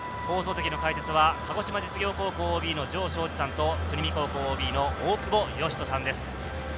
放送席の解説は鹿児島実業高校ＯＢの城彰二さんと、国見高校ＯＢの大久保嘉人さんです。